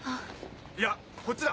いやこっちだ！